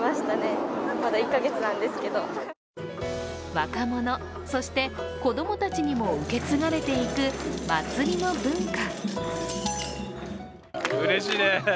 若者、そして子供たちにも受け継がれていく祭りの文化。